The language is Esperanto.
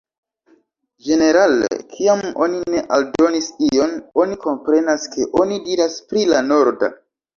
Ĝenerale, kiam oni ne aldonis ion, oni komprenas ke oni diras pri la "norda".